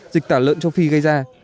dịch tả lợn châu phi gây ra